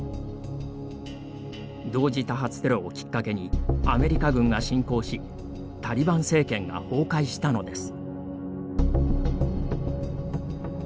同時多発テロをきっかけにアメリカ軍が侵攻しタリバン政権が崩壊したのです。